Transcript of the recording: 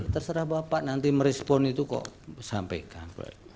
terserah bapak nanti merespon itu kok sampaikan